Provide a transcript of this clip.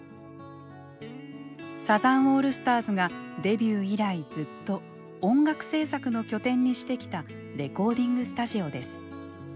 サザンオールスターズがデビュー以来ずっと音楽制作の拠点にしてきたレコーディングスタジオです。